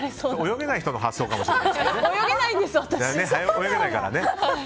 泳げない人の発想かもしれないですね。